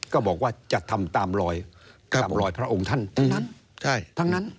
ก็บอกว่าจะทำตามรอยพระองค์ท่านทั้งนั้น